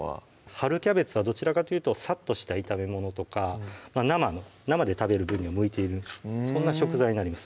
春キャベツはどちらかというとサッとした炒めものとか生で食べる分には向いているそんな食材になります